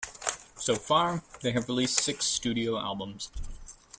So far, they have released six studio albums.